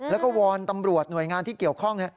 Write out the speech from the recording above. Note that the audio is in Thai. แล้วก็วอนตำรวจหน่วยงานที่เกี่ยวข้อง